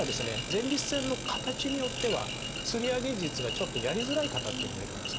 前立腺の形によっては吊り上げ術がちょっとやりづらい方っていうのもいるんですね。